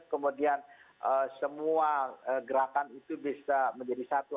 kemudian semua gerakan itu bisa menjadi satu